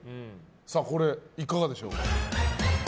さあこれ、いかがでしょうか？